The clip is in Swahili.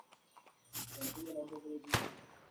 wanafunga hedhi wakiwa wamechelewa